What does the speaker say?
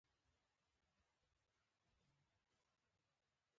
یو ښکاري یو مرغۍ ونیوله.